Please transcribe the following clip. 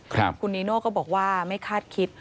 คุณนีโน่ก็บอกว่าไม่คาดคิด